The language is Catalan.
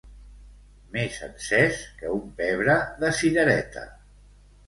Més encès que un pebre de cirereta.